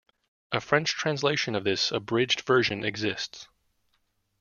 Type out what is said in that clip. A French translation of this abridged version exists.